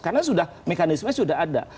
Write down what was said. karena sudah mekanisme sudah ada